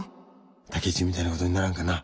武一みたいなことにならんかな？